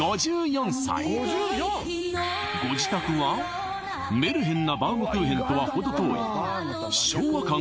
５４歳ご自宅はメルヘンなバウムクーヘンとは程遠い昭和感